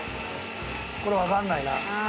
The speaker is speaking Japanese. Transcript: これわかんないな。